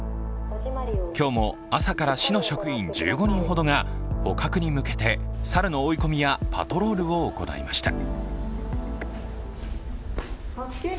今日も朝から市の職員１５人ほどが捕獲に向けて、猿の追い込みやパトロールを行いました。